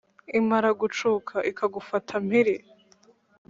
Imara gucuka ikagufata mpiri